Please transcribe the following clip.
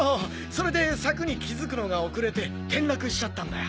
それで柵に気づくのが遅れて転落しちゃったんだよ！